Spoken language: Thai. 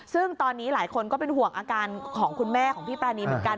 ซึ่งตอนนี้หลายคนก็เป็นห่วงอาการของคุณแม่ของพี่ปรานีเหมือนกัน